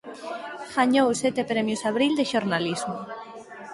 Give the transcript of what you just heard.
Gañou sete premios "Abril" de Xornalismo.